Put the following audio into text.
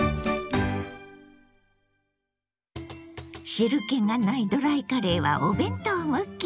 汁けがないドライカレーはお弁当向き。